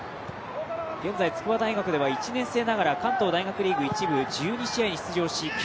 現在、筑波大学では１年生ながら関東大学リーグ１部１２試合に出場し９